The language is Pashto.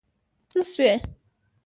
څه شوي؟